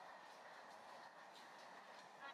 আমরা যারা শহরে আছি, তারা বলতে পারব না, পাটের গন্ধ কেমন।